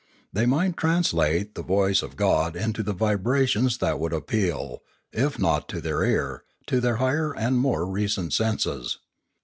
They might translate the voice of God into the vibrations that would appeal, if not to their ear, to their higher and more recent senses.